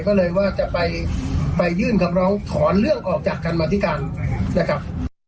ก็เลยว่าจะไปยื่นคำร้องถอนเรื่องออกจากการมาธิการนะครับ